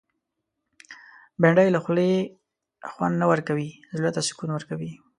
بېنډۍ له خولې خوند نه ورکوي، زړه ته سکون ورکوي